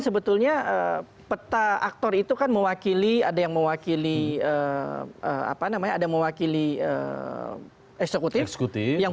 sebetulnya peta aktor itu kan mewakili ada yang mewakili apa namanya ada mewakili eksekutif yang